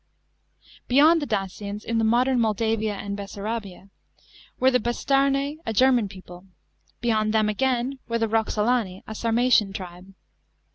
Beyond the Dacians, in the modern Moldavia and Bessarabia, were the Bastarnse, a German people; beyond them again were the Eoxolani, a Sarmatian tribe.